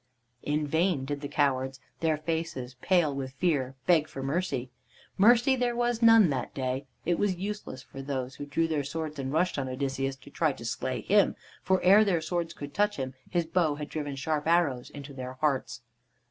In vain did the cowards, their faces pale with fear, beg for mercy. Mercy there was none that day. It was useless for those who drew their swords and rushed on Odysseus to try to slay him, for ere their swords could touch him, his bow had driven sharp arrows into their hearts.